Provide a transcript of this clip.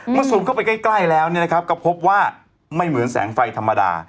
เมื่อสูงเข้าไปใกล้แล้วเนี่ยนะครับก็พบว่าไม่เหมือนแสงไฟธรรมดา